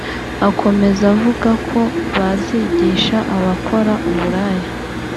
Akomeza avuga ko bazigihsa abakora uburaya